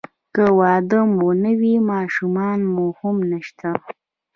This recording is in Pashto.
که واده مو نه وي ماشومان هم نشته.